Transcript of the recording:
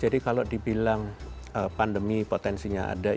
jadi kalau dibilang pandemi potensinya ada